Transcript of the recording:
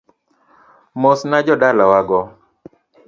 Mosna jo dalawago.